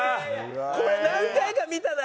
これ何回か見たな